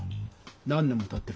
何年もたってるんです。